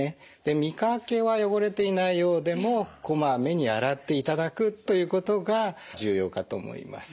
見かけは汚れていないようでもこまめに洗っていただくということが重要かと思います。